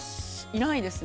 いないか。